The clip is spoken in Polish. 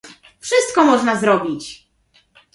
"Wszystko można zrobić!"